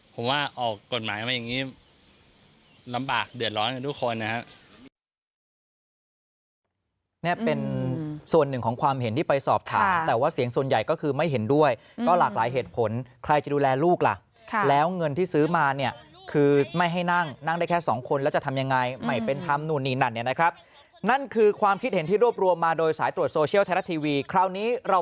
ผมว่าออกกฎหมายมาอย่างนี้ลำบากเดือดร้อนกันทุกคนนะครับ